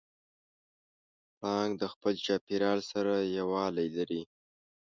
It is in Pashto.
پړانګ د خپل چاپېریال سره یووالی لري.